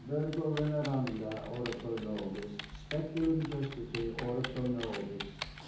Virgo veneranda, ora pro nobis! Speculum justitiae, ora pro nobis!"